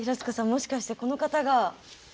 もしかしてこの方が？